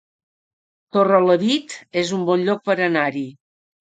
Torrelavit es un bon lloc per anar-hi